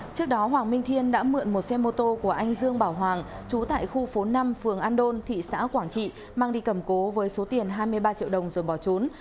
trước đó hoàng minh thiên đã mượn một xe mô tô của anh dương bảo hoàng trú tại khu phố năm phường an đôn thị xã quảng trị mang đi cầm cố với số tiền hai mươi ba triệu đồng rồi bỏ trốn